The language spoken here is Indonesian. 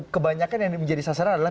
kebanyakan yang menjadi sasaran adalah